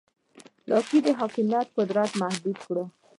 لاک د حاکمیت قدرت محدود کړ.